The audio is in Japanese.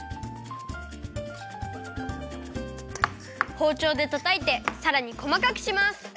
ほうちょうでたたいてさらにこまかくします。